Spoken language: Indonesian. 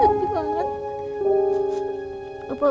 terima kasih banget